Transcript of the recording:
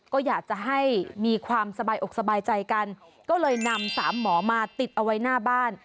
ก็อยากจะให้มีความสบายอกสบายใจกันก็เลยนำสามหมอมาติดเอาไว้หน้าบ้าน